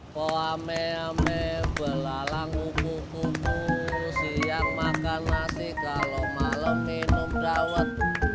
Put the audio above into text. kau ame ame belalang kuku kuku siang makan nasi kalau malam minum dawet